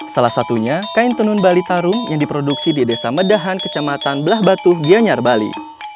salah satunya kain tenun bali tarung yang diproduksi di desa medahan kecamatan belah batu gianyar bali